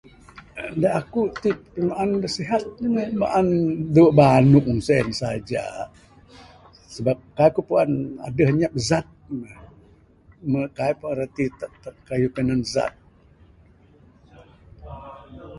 Da aku ti pimaan da sihat maan dawe banung sien saja sabab kaik ku puan adeh anyap zat ne. Meh kaik ku puan [unintelligible] rati zat